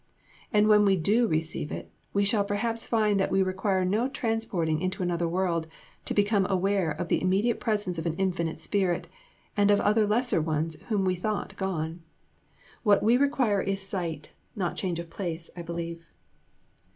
And, when we do receive it, we shall perhaps find that we require no transporting into another world, to become aware of the immediate presence of an Infinite Spirit, and of other lesser ones whom we thought gone. What we require is sight, not change of place, I believe.